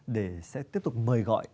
để sẽ tiếp tục mời gọi